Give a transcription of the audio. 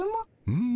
うん。